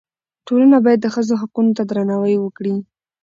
ټولنه باید د ښځو حقونو ته درناوی وکړي.